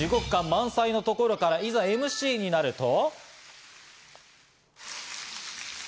満載なところから、いざＭＣになると。